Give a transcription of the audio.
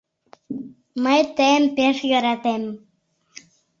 Мый тыйым пеш йӧратем